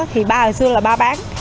thì ba hồi xưa là ba bán